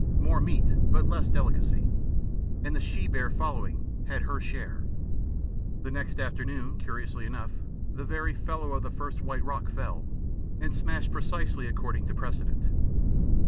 More meat but less delicacy, and the she bear, following, had her share. The next afternoon, curiously enough, the very fellow of the first white rock fell, and smashed precisely according to precedent.